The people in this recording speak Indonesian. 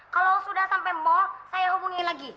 kalau sudah sampai mall saya hubungi lagi